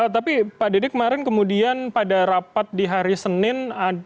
tapi pak dede kemarin kemudian pada rapat di hari senin